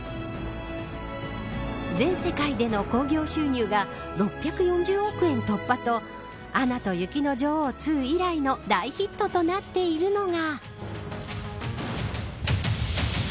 全世界での興行収入が６４０億円突破とアナと雪の女王２以来の大ヒットとなっているのが。